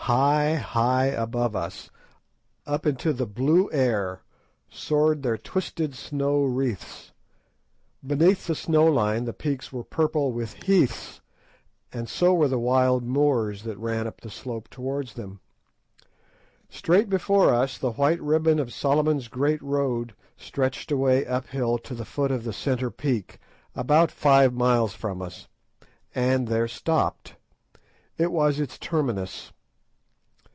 High, high above us, up into the blue air, soared their twisted snow wreaths. Beneath the snow line the peaks were purple with heaths, and so were the wild moors that ran up the slopes towards them. Straight before us the white ribbon of Solomon's Great Road stretched away uphill to the foot of the centre peak, about five miles from us, and there stopped. It was its terminus.